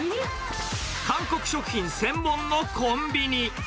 韓国食品専門のコンビニ。